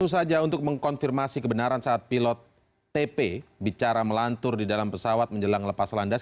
langsung saja untuk mengkonfirmasi kebenaran saat pilot tp bicara melantur di dalam pesawat menjelang lepas landas